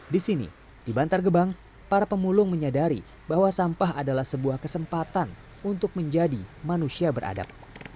di sini di bantar gebang para pemulung menyadari bahwa sampah adalah sebuah kesempatan untuk menjadi manusia beradab